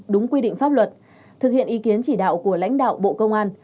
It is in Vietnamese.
đúng quy định pháp luật thực hiện ý kiến chỉ đạo của lãnh đạo bộ công an